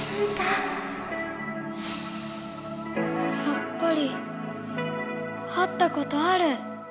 やっぱり会ったことある。